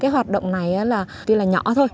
hoạt động này tuy là nhỏ thôi